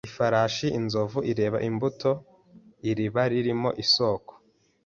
ifarashi inzovu ireba imbuto Iriba ririmo isoko